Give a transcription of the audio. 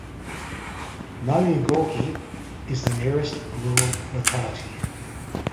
Malye Gorki is the nearest rural locality.